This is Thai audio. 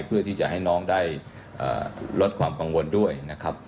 เพื่อที่จะให้น้องได้ลดความกังวลด้วยนะครับ